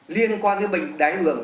liên quan đến bệnh đáy thao đường